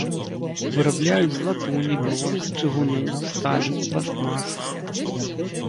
Вырабляюць з латуні, бронзы, чыгуну, сталі, пластмас.